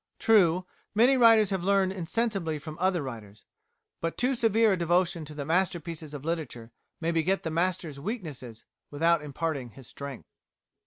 True, many writers have learned insensibly from other writers, but too severe a devotion to the masterpieces of literature may beget the master's weaknesses without imparting his strength.